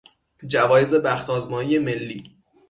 جوایز بخت آزمایی ملی